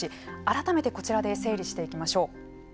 改めてこちらで整理していきましょう。